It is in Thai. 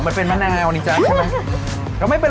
ตัวแพงไม่ใช่ซอส